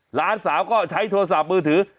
หลานสาวก็ใช้โทรศัพท์มือถือ